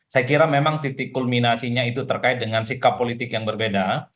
saya kira memang titik kulminasinya itu terkait dengan sikap politik yang berbeda